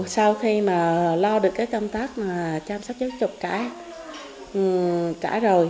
sau khi mà lo được cái công tác mà chăm sóc giáo trục trả rồi